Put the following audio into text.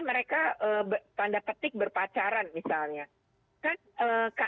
mereka tanda petik berpacaran misalnya